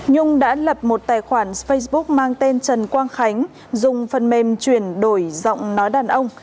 nhung đã lập một tài khoản facebook mang tên trần quang khánh dùng phần mềm chuyển đổi giọng nói đàn ông